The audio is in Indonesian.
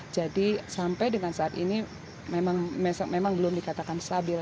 jadi sampai dengan saat ini memang belum dikatakan stabil